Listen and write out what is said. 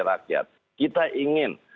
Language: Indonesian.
rakyat kita ingin